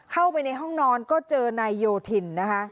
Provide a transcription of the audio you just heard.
เข้าไปในห้องนอนก็เจอนายโยธินนะคะ